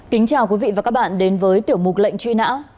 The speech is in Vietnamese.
kính chào quý vị và các bạn đến với tiểu mục lệnh truy nã